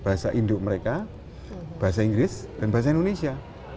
hidup mereka bahasa inggris dan bahasa indonesia